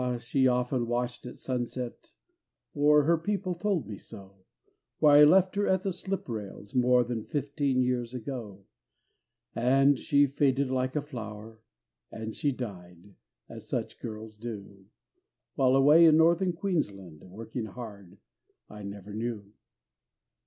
she often watched at sunset For her people told me so Where I left her at the slip rails More than fifteen years ago. And she faded like a flower, And she died, as such girls do, While, away in Northern Queensland, Working hard, I never knew.